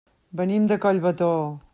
Venim de Collbató.